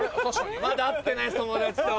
まだ会ってないんす友達と。